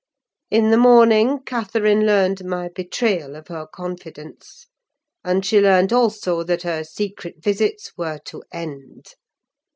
In the morning, Catherine learnt my betrayal of her confidence, and she learnt also that her secret visits were to end.